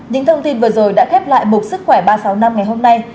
những thông tin vừa rồi đã khép lại mục sức khỏe ba trăm sáu mươi năm ngày hôm nay